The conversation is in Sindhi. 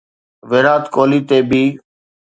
ويرات ڪوهلي تي بي